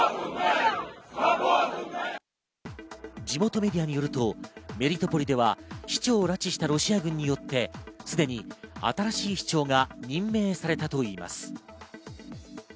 地元メディアによると、メリトポリでは市長を拉致したロシア軍によって、すでに新しい市長が任命されたといいます。